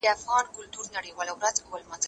بوټونه پاک کړه،